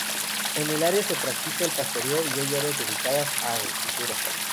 En el área se practica el pastoreo y hay áreas dedicadas a agricultura.